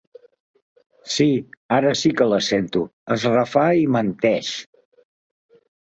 Sí, ara sí que la sento —es refà i menteix—.